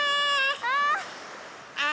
ああ！